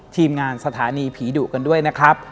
ทีมงานสถานีผีดุกันด้วยนะครับ